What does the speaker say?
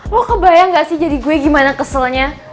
lo kebayang gak sih jadi gue gimana keselnya